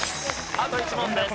あと１問です。